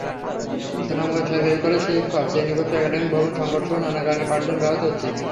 সুনামগঞ্জ সরকারি কলেজে শিক্ষক, শ্রেণীকক্ষ, একাডেমিক ভবন সংকটসহ নানা কারণে পাঠদান ব্যাহত হচ্ছে।